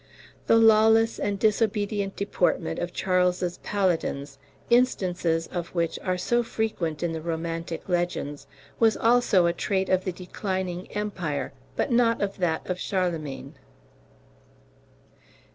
The lawless and disobedient deportment of Charles's paladins, instances of which are so frequent in the romantic legends, was also a trait of the declining empire, but not of that of Charlemagne.